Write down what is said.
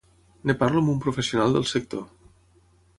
En parlo amb un professional del sector.